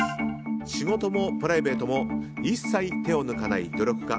仕事もプライベートも一切手を抜かない努力家